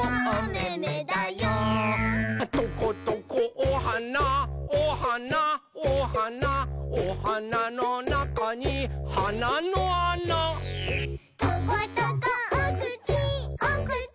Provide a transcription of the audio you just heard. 「トコトコおはなおはなおはなおはなのなかにはなのあな」「トコトコおくちおくち